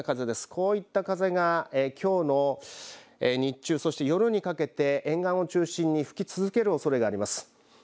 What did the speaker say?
こういった風がきょうの日中そして夜にかけて沿岸を中心に吹き続けるおそれがあります。